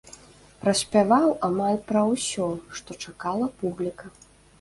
Праспяваў амаль пра ўсё, што чакала публіка.